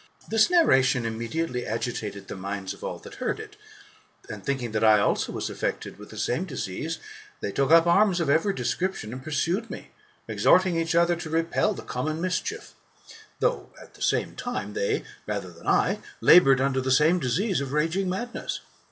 This narration immediately agitated the minds of all that heard it, and, thinking that I also was infected with the same disease, they took up arms of every description and pursued me, exhort ing each other to repel the common mischief ; though, at the same time, they, rather than I, laboured under the same disease of raging madness.